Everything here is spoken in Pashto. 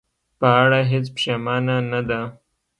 په اړه هېڅ پښېمانه نه ده.